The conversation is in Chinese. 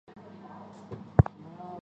截萼忍冬为忍冬科忍冬属下的一个种。